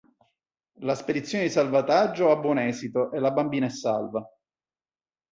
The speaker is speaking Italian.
La spedizione di salvataggio ha buon esito e la bambina è salva.